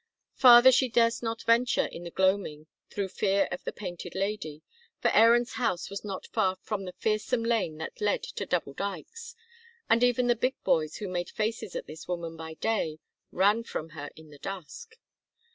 Farther she durst not venture in the gloaming through fear of the Painted Lady, for Aaron's house was not far from the fearsome lane that led to Double Dykes, and even the big boys who made faces at this woman by day ran from her in the dusk.